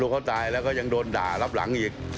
เขาตายแล้วก็ยังโดนด่ารับหลังอีก